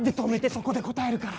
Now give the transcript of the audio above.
そこで答えるから。